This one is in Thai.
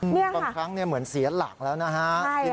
เนี่ยค่ะตอนครั้งเนี่ยเหมือนเสียหลักแล้วนะฮะใช่ค่ะ